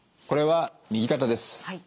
これは右肩です。